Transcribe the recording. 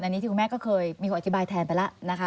อันนี้คุณแม่ก็เคยมีเขาอธิบายแทนไปละ